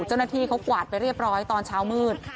เจ้าหน้าที่เขากวาดไปเรียบร้อยตอนเช้ามืด